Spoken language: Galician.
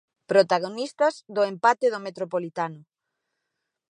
Protagonistas do empate no Metropolitano.